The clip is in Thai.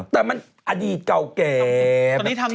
แต่มันอดีตเก่าแก่